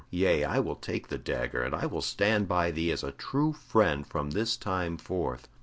Yea, I will take the dagger, and will stand by thee as a true friend from this time forth.